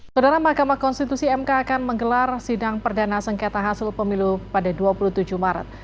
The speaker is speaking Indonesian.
saudara mahkamah konstitusi mk akan menggelar sidang perdana sengketa hasil pemilu pada dua puluh tujuh maret